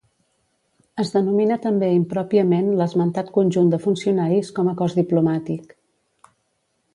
Es denomina també impròpiament l'esmentat conjunt de funcionaris com a cos diplomàtic.